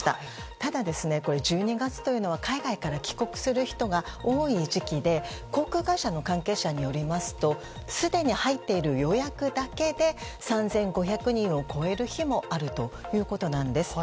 ただ、１２月というのは海外から帰国する人が多い時期で航空会社の関係者によりますとすでに入っている予約だけで３５００人を超える日もあるということなんです。